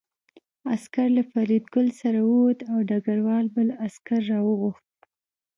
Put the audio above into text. عسکر له فریدګل سره ووت او ډګروال بل عسکر راوغوښت